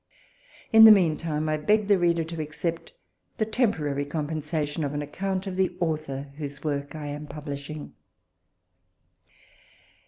In the mean time I beg the reader to accept the temporary compensation of an account of the author whose work I am publishing.